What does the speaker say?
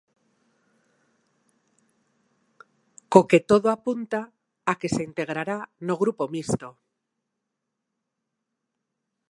Co que todo apunta a que se integrará no Grupo Mixto.